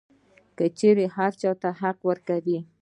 چې هر چا ته حق ورکوي.